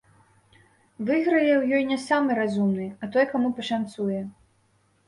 Выйграе ў ёй не самы разумны, а той, каму пашанцуе.